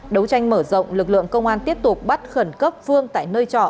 đấu tranh mở rộng lực lượng công an tiếp tục bắt khẩn cấp phương tại nơi trọ